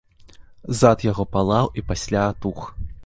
Зад яго палаў і пасля атух.